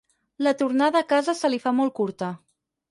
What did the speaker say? La tornada a casa se li fa molt curta.